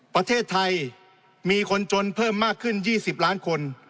ประเทศไทยมีคนจนเพิ่มมากขึ้น๒๐ล้านคน